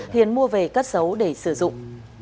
hiền mua về cất xấu để sử dụng